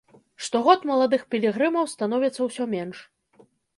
Штогод маладых пілігрымаў становіцца ўсё менш.